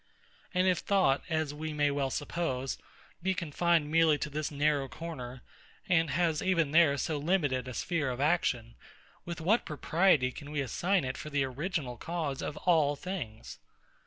And if thought, as we may well suppose, be confined merely to this narrow corner, and has even there so limited a sphere of action, with what propriety can we assign it for the original cause of all things?